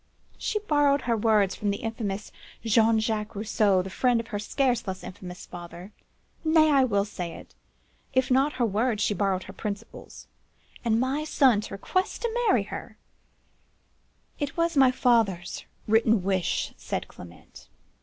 She borrowed her words from the infamous Jean Jacques Rousseau, the friend of her scarce less infamous father—nay! I will say it,—if not her words, she borrowed her principles. And my son to request her to marry him! "'It was my father's written wish,' said Clement.